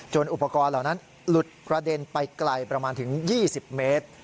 อุปกรณ์เหล่านั้นหลุดกระเด็นไปไกลประมาณถึง๒๐เมตร